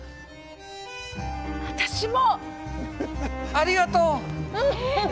ありがとう。えっ？